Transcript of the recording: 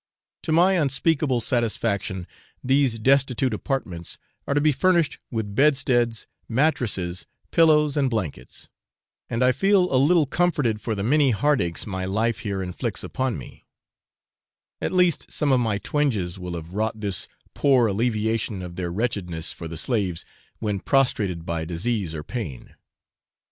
To my unspeakable satisfaction these destitute apartments are to be furnished with bedsteads, mattresses, pillows, and blankets; and I feel a little comforted for the many heart aches my life here inflicts upon me: at least some of my twinges will have wrought this poor alleviation of their wretchedness for the slaves, when prostrated by disease or pain.